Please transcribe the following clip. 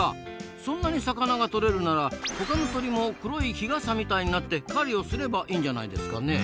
そんなに魚がとれるならほかの鳥も黒い日傘みたいになって狩りをすればいいんじゃないですかねえ？